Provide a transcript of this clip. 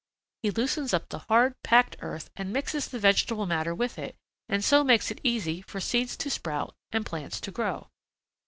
He loosens up the hard, packed earth and mixes the vegetable matter with it and so makes it easy for seeds to sprout and plants to grow."